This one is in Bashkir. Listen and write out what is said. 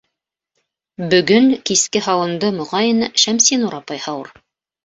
Бөгөн киске һауынды, моғайын, Шәмсинур апай һауыр.